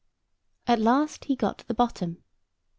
At last he got to the bottom.